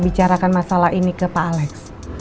bicarakan masalah ini ke pak alex